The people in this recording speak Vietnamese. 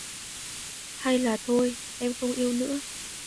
Hay là thôi Em không yêu nữa